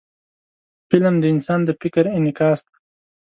فلم د انسان د فکر انعکاس دی